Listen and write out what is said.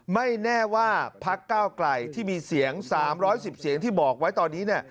ไม่แน่ว่าพักเก้าไกลที่มีเสียง๓๑๐เสียงที่บอกไว้ตอนนี้เนี่ย